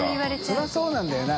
修蠅磴そうなんだよな。